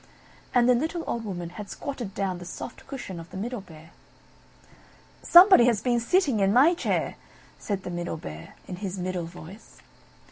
And the little old Woman had squatted down the soft cushion of the Middle Bear. "Somebody has been sitting in my chair!" said the Middle Bear, in his middle voice.